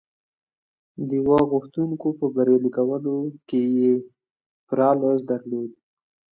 د واک غوښتونکو په بریالي کولو کې یې پوره لاس درلود